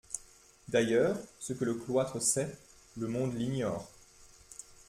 D'ailleurs, ce que le cloître sait, le monde l'ignore.